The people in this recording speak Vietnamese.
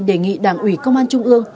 đề nghị đảng ủy công an trung ương